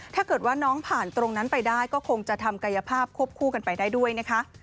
ถ้าเกิดว่าน้องผ่านตรงนั้นไปได้ก็คงจะทำกายภาพควบคู่กันไปได้ด้วยนะคะ